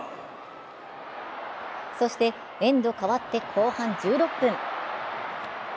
そしてエンド変わって後半１６分。